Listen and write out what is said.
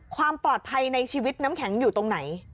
ความปลอดภัยในชีวิตน้ำแข็งอยู่ตรงไหน